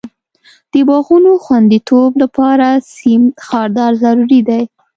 د باغونو خوندیتوب لپاره سیم خاردار ضرور دی.